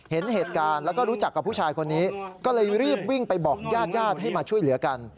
เห็นเหตุการณ์แล้วก็รู้จักกับผู้ชายคนนี้ก็เลยรีบวิ่งไปบอกญาติญาติให้มาช่วยเหลือกัน